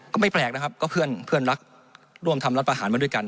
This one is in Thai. ก็ไม่แปลกนะครับก็เพื่อนรักร่วมทำรัฐประหารมาด้วยกัน